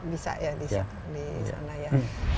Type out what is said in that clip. bisa ya di sana ya